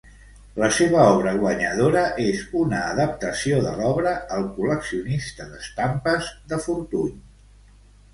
La seva obra guanyadora és una adaptació de l'obra "El col·leccionista d'estampes", de Fortuny.